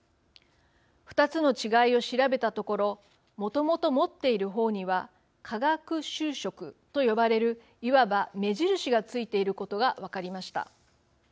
２つの違いを調べたところもともと持っている方には化学修飾と呼ばれるいわば目印が付いていることが分かりました。